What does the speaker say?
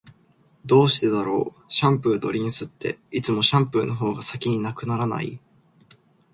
どうしてだろう、シャンプーとリンスって、いつもシャンプーの方が先に無くならない？